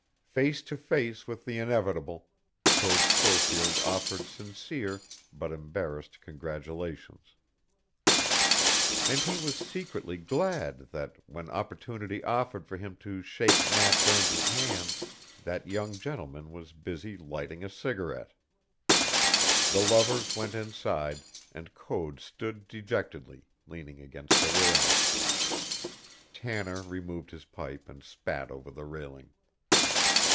Face to face with the inevitable, Code Schofield offered sincere but embarrassed congratulations; and he was secretly glad that, when opportunity offered for him to shake Nat Burns's hand, that young gentleman was busy lighting a cigarette. The lovers went inside, and Code stood dejectedly, leaning against the railing. Tanner removed his pipe and spat over the railing.